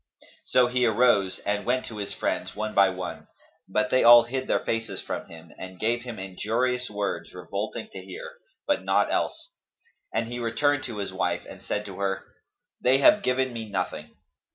So he arose and went to his friends one by one; but they all hid their faces from him and gave him injurious words revolting to hear, but naught else; and he returned to his wife and said to her, "They have given me nothing."